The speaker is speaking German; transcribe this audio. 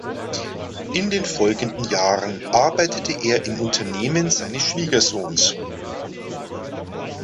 In den folgenden Jahren arbeitete er im Unternehmen seines Schwiegersohns.